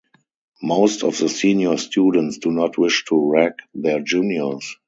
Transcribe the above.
Most of the senior students do not wish to rag their juniors.